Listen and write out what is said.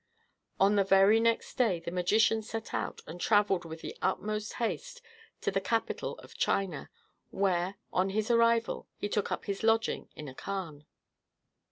On the very next day, the magician set out and travelled with the utmost haste to the capital of China, where, on his arrival, he took up his lodging in a khan.